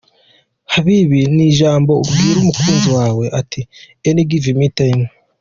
Habibi ni ijambo ubwira umukunzi wawe at any given time.